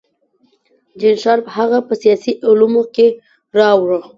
جین شارپ هغه په سیاسي علومو کې راوړه.